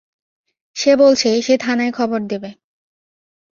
সে বলছে, সে থানায় খবর দেবে।